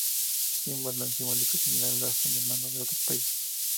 Tiene un valor simbólico similar al bastón de mando de otros países.